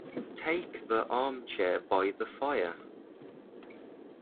Take the armchair by the fire.